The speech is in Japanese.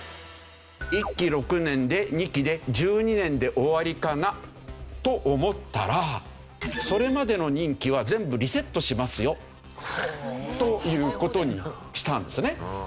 １期６年で２期で１２年で終わりかなと思ったらそれまでの任期は全部リセットしますよという事にしたんですね。